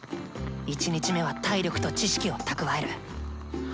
１日目は体力と知識を蓄える！